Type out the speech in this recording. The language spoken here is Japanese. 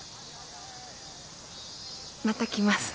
また来ます。